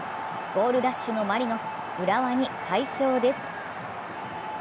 ゴールラッシュのマリノス、浦和に快勝です。